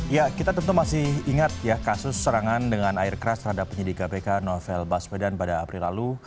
ya kita tentu masih ingat ya kasus serangan dengan air keras terhadap penyidik kpk novel baswedan pada april lalu